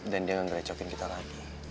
dan dia gak ngerecohin kita lagi